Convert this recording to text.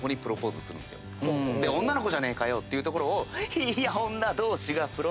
で女の子じゃねえかよっていうところを。